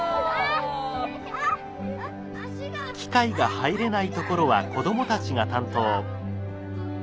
機械が入れないところは子どもたちが担当。